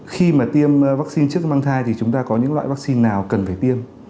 khi mà tiêm vaccine trước mang thai thì chúng ta có những loại vaccine nào cần phải tiêm